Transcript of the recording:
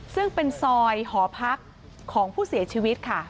ซึ่งเป็นซอยหอพักของผู้เสียชีวิตค่ะ